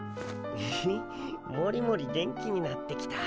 フフもりもり元気になってきた。